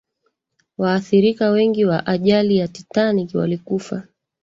waathirika wengi wa ajali ya titanic walikufa